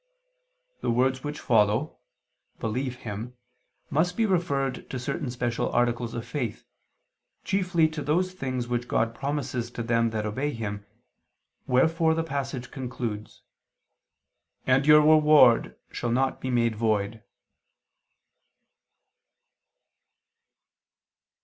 The words which follow "believe Him" must be referred to certain special articles of faith, chiefly to those things which God promises to them that obey Him, wherefore the passage concludes "and your reward shall not be made void."